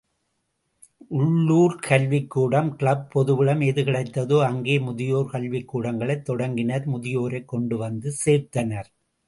உள்ளுர்க் கல்விக்கூடம், கிளப், பொதுவிடம், எது கிடைத்ததோ, அங்கே, முதியோர் கல்விக்கூடங்களைத் தொடங்கினர் முதியோரைக் கொண்டுவந்து சேர்த்தனர்.